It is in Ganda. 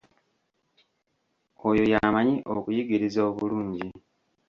Oyo y'amanyi okuyigiriza obulungi.